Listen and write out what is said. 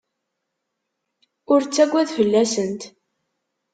Ur ttaggad fell-asent.